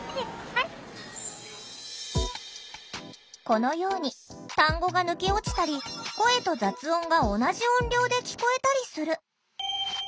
このように単語が抜け落ちたり声と雑音が同じ音量で聞こえたりする。